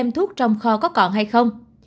thuốc trong kho có còn hay không